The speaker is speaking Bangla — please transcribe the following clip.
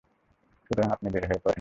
সুতরাং আপনি বের হয়ে পড়েন।